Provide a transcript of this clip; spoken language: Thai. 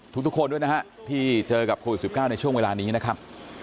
ทุกคนด้วยนะฮะที่เจอกับโควิด๑๙ในช่วงเวลานี้นะครับ